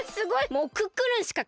もうクックルンしかかたん！